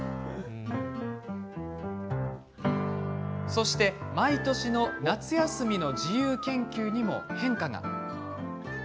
そして毎年の夏休みの自由研究にも変化が。